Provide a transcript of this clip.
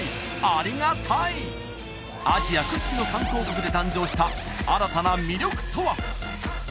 ありがＴｈａｉアジア屈指の観光国で誕生した新たな魅力とは？